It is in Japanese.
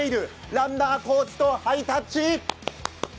ランナー、コーチとハイタッチ。